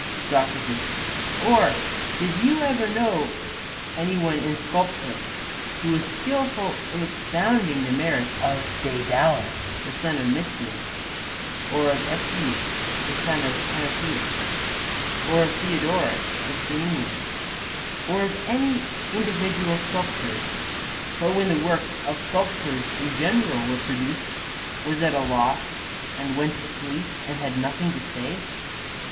SOCRATES: Or did you ever know of any one in sculpture, who was skilful in expounding the merits of Daedalus the son of Metion, or of Epeius the son of Panopeus, or of Theodorus the Samian, or of any individual sculptor; but when the works of sculptors in general were produced, was at a loss and went to sleep and had nothing to say?